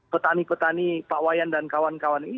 petani petani pak wayan dan kawan kawan ini